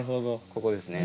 ここですね。